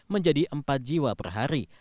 menjadi empat jiwa per hari